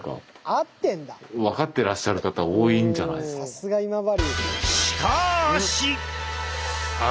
さすが今治！